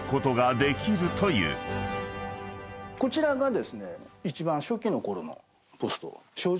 こちらがですね一番。